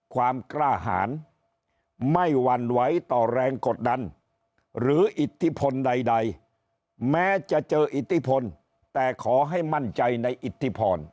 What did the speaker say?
ความกล้าหารไม่หวั่นไหวต่อแรงกดดันหรืออิทธิพลใดแม้จะเจออิทธิพลแต่ขอให้มั่นใจในอิทธิพร